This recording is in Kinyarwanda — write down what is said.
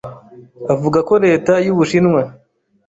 Avuga ko leta y'Ubushinwa